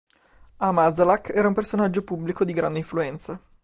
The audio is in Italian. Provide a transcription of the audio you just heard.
Amazalak era un personaggio pubblico di grande influenza.